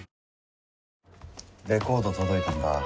レコード届いたんだ